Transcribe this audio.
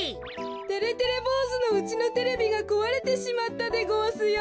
てれてれぼうずのうちのテレビがこわれてしまったでごわすよ。